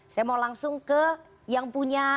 saya mau langsung ke yang punya